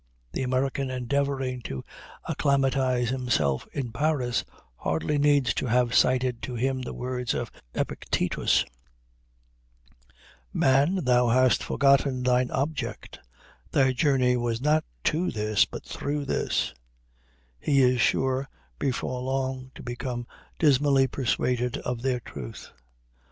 The American endeavoring to acclimatize himself in Paris hardly needs to have cited to him the words of Epictetus: "Man, thou hast forgotten thine object; thy journey was not to this, but through this" he is sure before long to become dismally persuaded of their truth.